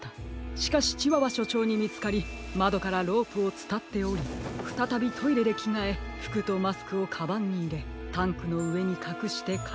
しかしチワワしょちょうにみつかりまどからロープをつたっておりふたたびトイレできがえふくとマスクをカバンにいれタンクのうえにかくしてか